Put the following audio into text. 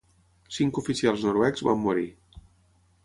Cinc oficials noruecs van morir.